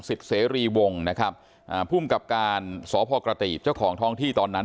ศิษย์รีวงศ์นะครับภูมิกับการสพกติเจ้าของท้องที่ตอนนั้น